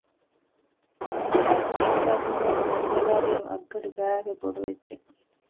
ބަނޑުހައިކަން އިޙްސާސްވުމުން ގަޑިބަލާލިއިރު އަށްގަޑިބައިވެ ބޮޑުވެއްޖެ